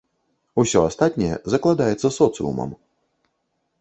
Усё астатняе закладаецца соцыумам.